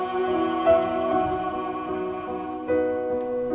sebuah awal kamu